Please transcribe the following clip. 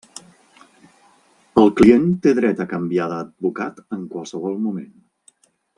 El client té dret a canviar d'advocat en qualsevol moment.